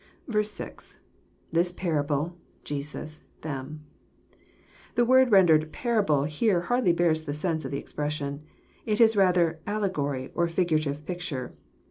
%,—[Thi8 parahle.,.Jesu8...them,'\ The word rendered «* parable" here hardly bears the sense of the expression. It is rather allegory, " or flgurative picture.